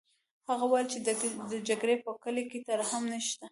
هغه وویل چې د جګړې په کلي کې ترحم نشته